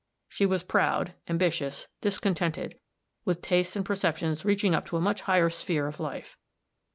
She was proud, ambitious, discontented, with tastes and perceptions reaching up into a much higher sphere of life.